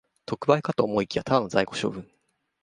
特売かと思いきや、ただの在庫処分